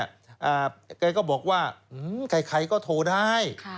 อันนี้เกี่ยวบอกว่าใครก็โทรได้